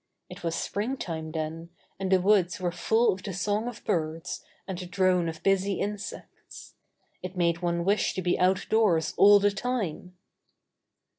It was springtime then, and the woods were full of the song of birds and the drone of busy 12 Buster the Bear insects. It made one wish to be outdoors all the time.